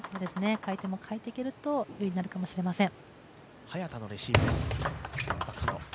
回転も変えていけると有利になるかもしれません。